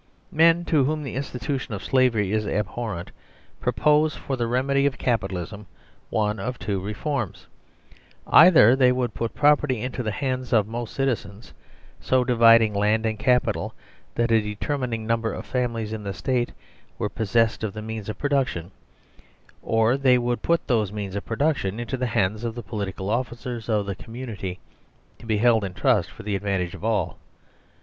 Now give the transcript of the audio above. Men to whom the institution of slavery is abhor rent propose for the remedy of Capitalism one of two reforms. Either they would put property into the hands of most citizens, so dividing land and capital that a de termining number of families in the State were pos sessed of the means of production ; or they would put those means of production into the hands of the po litical officers of the community, to be held in trust for the advantage of all.